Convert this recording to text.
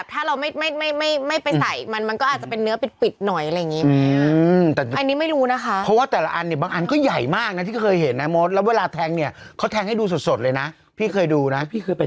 ทำไมไม่เป็นแผลเป็นขนาดเราเป็นสิวยังเหลือลุ้มกับแผลเป็น